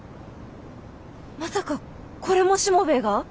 まさかこれもしもべえが？